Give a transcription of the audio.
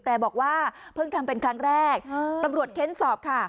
แต่บอกว่าเพิ่งทำเป็นครั้งแรกตำรวจเค้นสอบค่ะ